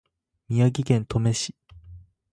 宮城県登米市